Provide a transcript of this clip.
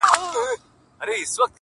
• چي پاڼه وشړېدل.